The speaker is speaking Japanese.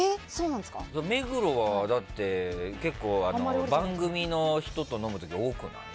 目黒は、結構番組の人と飲む時多くない？